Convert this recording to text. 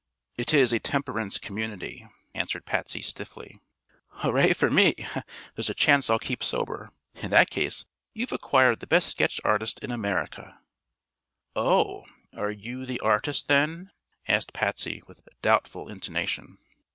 "It is a temperance community," answered Patsy, stiffly. "Hooray for me. There's a chance I'll keep sober. In that case you've acquired the best sketch artist in America." "Oh! Are you the artist, then?" asked Patsy, with doubtful intonation.